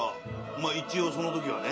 まあ一応その時はね。